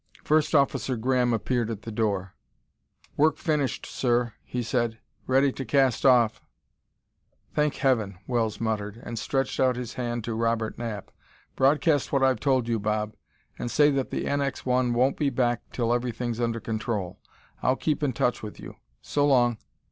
First Officer Graham appeared at the door. "Work finished, sir," he said. "Ready to cast off." "Thank heaven!" Wells muttered, and stretched out his hand to Robert Knapp. "Broadcast what I've told you, Bob, and say that the NX 1 won't be back till everything's under control. I'll keep in touch with you. So long!"